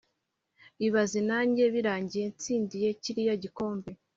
ibaze najye birangiye nsindiye kiriya gikombe